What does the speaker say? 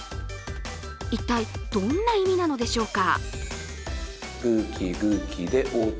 一体、どんな意味なのでしょうか。